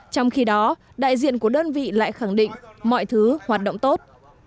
trong khi đó đại diện của đơn vị lại khẳng định mọi thứ hoạt động tốt